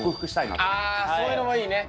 そういうのがいいね。